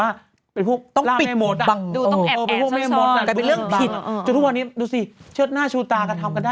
อ่าอัตเธอหมาอัตเธอล่า